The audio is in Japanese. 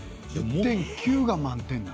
１０．９が満点なの。